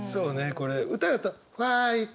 これ歌だとファイト！